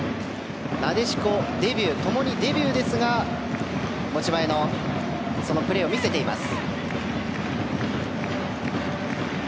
共に、なでしこデビューですが持ち前のそのプレーを見せています。